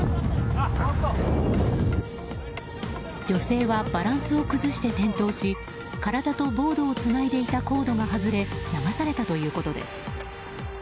女性はバランスを崩して転倒し体とボードをつないでいたコードが外れ流されたということです。